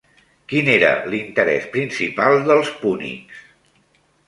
Quin era l'interès principal dels púnics?